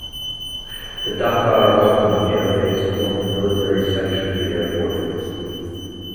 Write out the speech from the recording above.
The Dakar-Ouakam Air Base formed the military section of the airport.